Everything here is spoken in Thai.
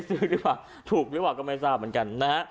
อื้อทุกขุมก็ไม่ทราบเหมือนกัน